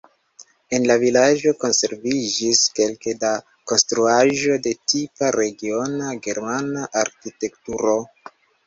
En la vilaĝo konserviĝis kelke da konstruaĵoj de tipa regiona germana arkitekturo.